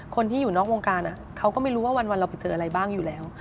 คนที่อยู่นอกวงการเขาก็ไม่รู้ว่าวันเราไปเจออะไรบ้างอยู่แล้ว